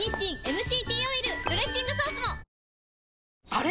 あれ？